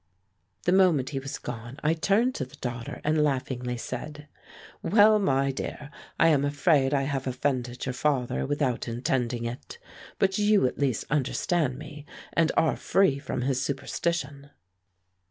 The moment he was gone I turned to the daughter and laughingly said: "Well, my dear, I am afraid I have offended your father without intending it, but you at least understand me, and are free from his superstition."